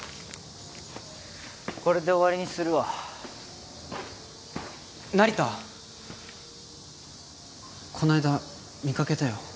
これで終わりにするわ成田この間見かけたよ